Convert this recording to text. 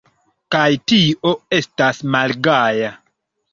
Kaj tio estas malgaja!